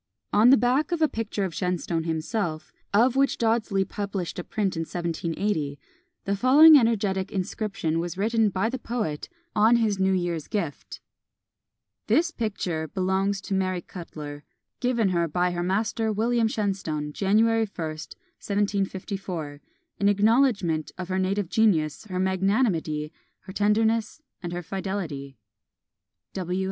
On the back of a picture of Shenstone himself, of which Dodsley published a print in 1780, the following energetic inscription was written by the poet on his new year's gift: "This picture belongs to Mary Cutler, given her by her master, William Shenstone, January 1st, 1754, in acknowledgment of her native genius, her magnanimity, her tenderness, and her fidelity.